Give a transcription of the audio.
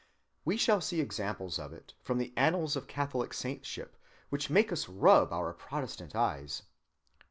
We shall see examples of it from the annals of Catholic saintship which make us rub our Protestant eyes.